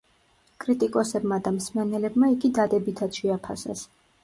კრიტიკოსებმა და მსმენელებმა იგი დადებითად შეაფასეს.